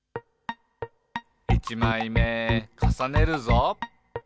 「いちまいめかさねるぞ！」